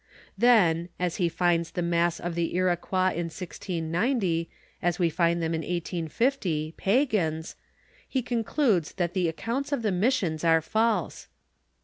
Then, as he finds the mass of the Iroqnois in 1690, as we find them in 1850, pagans, he concludes that the ac counts of the missions are false.